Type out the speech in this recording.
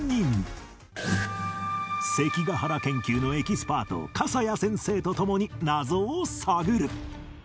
関ヶ原研究のエキスパート笠谷先生と共に謎を探る